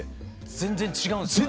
全然違うんですか？